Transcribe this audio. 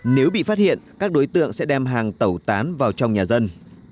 nếu bị phát hiện các đối tượng sẽ đem hàng tẩu tán vào trong nhà dân